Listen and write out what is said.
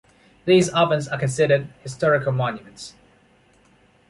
These ovens are considered historical monuments.